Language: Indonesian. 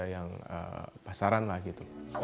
yang pasaran lah gitu